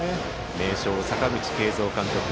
名将・阪口慶三監督。